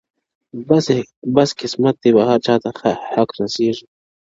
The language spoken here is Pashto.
بس قسمت دی و هر چا ته حق رسیږي -